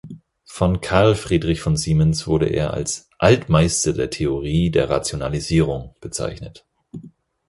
Von Karl Friedrich von Siemens wurde er als „Altmeister der Theorie der Rationalisierung“ bezeichnet.